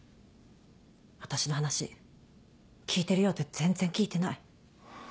私の話聞いてるようで全然聞いてない。